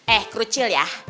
eh kerucil ya